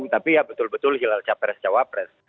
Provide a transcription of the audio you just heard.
tapi ya betul betul hilal capres cawapres